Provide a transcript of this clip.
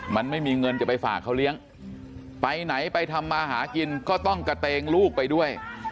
มันไม่มีเงินจะไปฝากเขาเลี้ยงไปไหนไปทำมาหากินก็ต้องกระเตงลูกไปด้วย